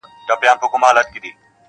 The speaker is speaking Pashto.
• ګرفتار دي په غمزه یمه له وخته..